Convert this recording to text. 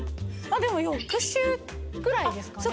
でも翌週ぐらいですかね